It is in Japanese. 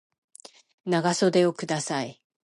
長袖をください